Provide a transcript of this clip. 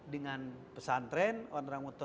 dengan pesan tren orang tua